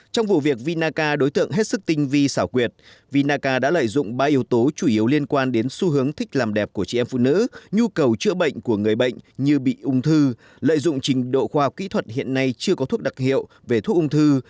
trong vụ việc vinaca đối tượng hết sức tinh vi xảo quyệt vinaca đã lợi dụng ba yếu tố chủ yếu liên quan đến xu hướng thích làm đẹp của chị em phụ nữ nhu cầu chữa bệnh của người bệnh như bị ung thư lợi dụng trình độ khoa kỹ thuật hiện nay chưa có thuốc đặc hiệu về thuốc ung thư